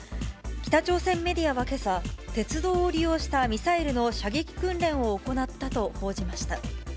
北朝鮮メディアはけさ、鉄道を利用したミサイルの射撃訓練を行ったと報じました。